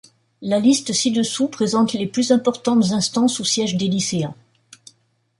La liste ci-dessous présente les plus importantes instances où siègent des lycéens.